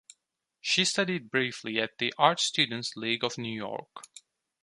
She studied briefly at The Art Students League of New York.